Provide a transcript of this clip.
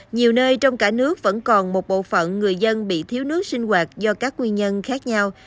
nhiều nơi trong cả nước vẫn còn một bộ phận người dân bị thiếu nước sinh hoạt do các nguyên nhân khác nhau